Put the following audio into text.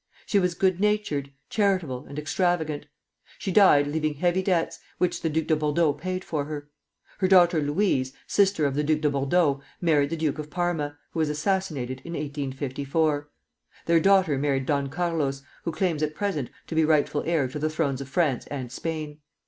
She was good natured, charitable, and extravagant. She died leaving heavy debts, which the Duc de Bordeaux paid for her. Her daughter Louise, sister of the Duc de Bordeaux, married the Duke of Parma, who was assassinated in 1854. Their daughter married Don Carlos, who claims at present to be rightful heir to the thrones of France and Spain.